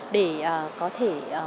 để có thể